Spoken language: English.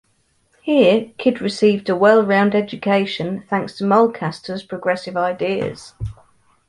Here, Kyd received a well-rounded education, thanks to Mulcaster's progressive ideas.